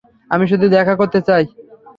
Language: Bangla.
আমি শুধু দেখা করতে চাই।